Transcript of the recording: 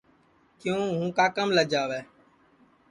کیوں ہوں کاکام لجاوے